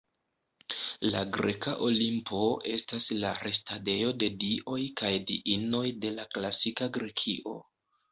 La greka Olimpo estas la restadejo de dioj kaj diinoj de la klasika Grekio.